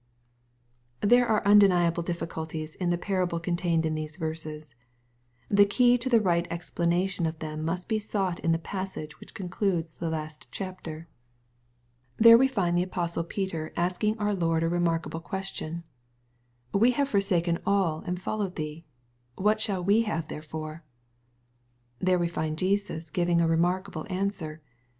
Thebe are undeniable difficulties in the parable contained in these verses. The key to the right explanation of them must be sought in the passage which concludes the last chapter. There we find the apostle Peter asking 246 EXPOSITOBl^ THOUGHTS. our Lord a remarkable questioD :—'^ we have forsaken all and followed thee ; what shall we have therefore ?" There we find Jesus giving a remarkable answer.